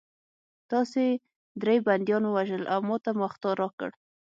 تاسې درې بندیان ووژل او ماته مو اخطار راکړ